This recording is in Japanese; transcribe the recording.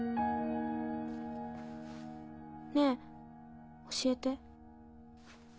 ねぇ教えて。